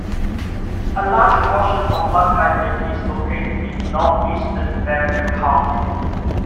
A large portion of Buckeye Lake is located in northeastern Fairfield County.